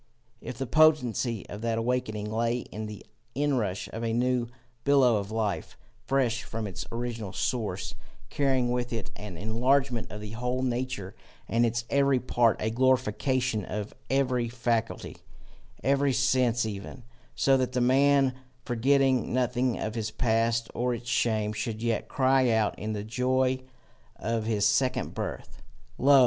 "If the potency of that awaking lay in the inrush of a new billow of life, fresh from its original source, carrying with it an enlargement of the whole nature and its every part, a glorification of every faculty, every sense even, so that the man, forgetting nothing of his past or its shame, should yet cry out in the joy of his second birth: 'Lo!